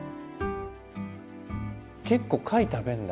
結構貝食べるんだ。